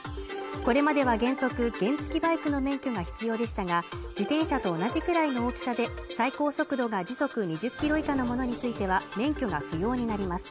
これまでは原則原付バイクの免許が必要でしたが、自転車と同じくらいの大きさで最高速度が時速２０キロ以下のものについては、免許が不要になります。